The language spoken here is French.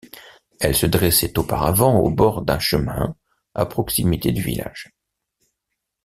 Elle se dressait auparavant au bord d'un chemin à proximité du village.